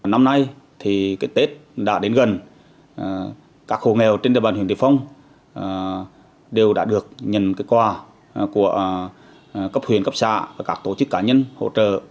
năm nay tết đã đến gần các khu nghèo trên địa bàn huyện triệu phong đều đã được nhận quà của cấp huyện cấp xã và các tổ chức cá nhân hỗ trợ